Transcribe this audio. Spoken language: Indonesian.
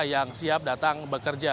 yang siap datang bekerja